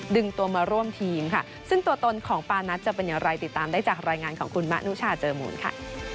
ดึงตัวมาร่วมทีมค่ะซึ่งตัวตนของปานัทจะเป็นอย่างไรติดตามได้จากรายงานของคุณมะนุชาเจอมูลค่ะ